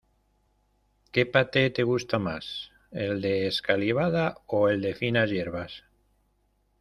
¿Qué paté te gusta más, el de escalivada o el de finas hierbas?